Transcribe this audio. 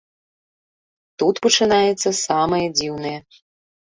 Тут пачынаецца самае дзіўнае.